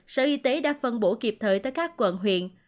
sở y tế đã phân bổ kịp thời tới các quận huyện